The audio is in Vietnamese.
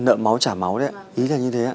nợ máu trả máu đấy ý là như thế